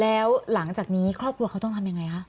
แล้วหลังจากนี้ครอบครัวเขาต้องทำยังไงคะ